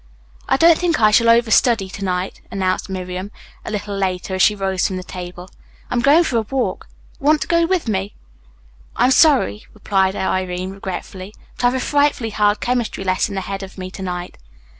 "I don't think I shall overstudy to night," announced Miriam, a little later, as she rose from the table. "I'm going for a walk. Want to go with me?" "I'm sorry," replied Irene regretfully, "but I've a frightfully hard chemistry lesson ahead of me to night."